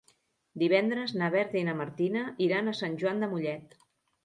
Divendres na Berta i na Martina iran a Sant Joan de Mollet.